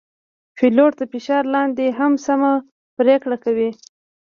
پیلوټ د فشار لاندې هم سمه پرېکړه کوي.